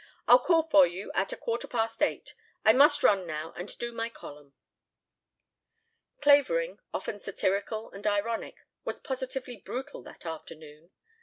I'll call for you at a quarter past eight. I must run now and do my column." Clavering, often satirical and ironic, was positively brutal that afternoon.